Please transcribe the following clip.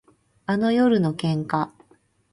あの夜の喧嘩